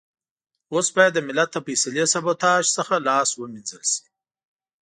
اوس بايد د ملت د فيصلې سبوتاژ څخه لاس و مينځل شي.